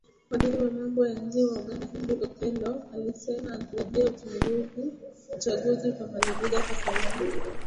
Waziri wa Mambo ya Nje wa Uganda Henry Okello Oryem alisema anatarajia uchaguzi utamalizika kwa salama